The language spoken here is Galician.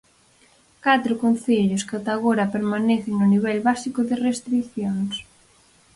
Catro concellos que ata agora permanecen no nivel básico de restricións.